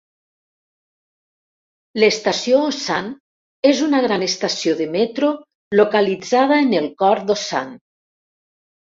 L'estació Osan és una gran estació de metro localitzada en el cor d'Osan.